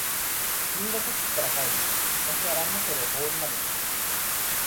入学式から帰ると、私はランドセルを放り投げた。